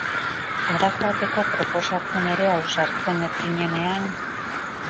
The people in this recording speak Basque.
Hara joateko proposatzen ere ausartzen ez zinenean?